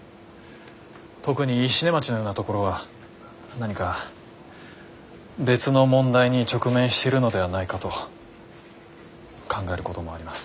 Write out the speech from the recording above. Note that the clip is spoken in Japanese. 特に石音町のようなところは何か別の問題に直面してるのではないかと考えることもあります。